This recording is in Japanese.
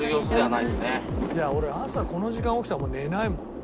「いや俺朝この時間起きたらもう寝ないもん」